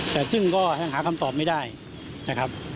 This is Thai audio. แต่ซึ่งก็ยังหาคำตอบไม่ได้นะครับ